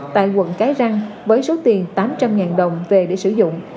tại quận cái răng với số tiền tám trăm linh đồng về để sử dụng